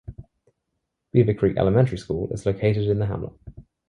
Beavercreek Elementary School is located in the hamlet.